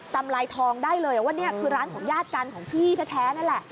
จำลายทองได้เลยว่านี่คือร้านของญาติกันของพี่แท้นั่นแหละ